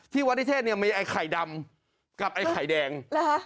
วัดนิเทศเนี่ยมีไอ้ไข่ดำกับไอ้ไข่แดงเหรอฮะ